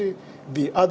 yang lainnya adalah